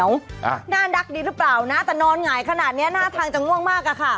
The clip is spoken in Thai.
น่ารักดีหรือเปล่านะแต่นอนหงายขนาดเนี้ยหน้าทางจะง่วงมากอะค่ะ